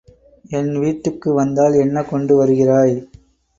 என் வீட்டுக்கு வந்தால் என்ன கொண்டு வருகிறாய்?